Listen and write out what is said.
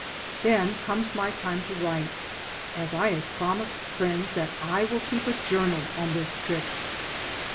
Then comes my time to write, as I have promised friends that I will keep a journal on this trip.